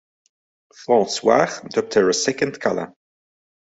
"France-Soir" dubbed her "a second Callas.